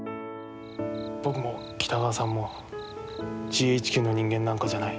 僕も北川さんもＧＨＱの人間なんかじゃない。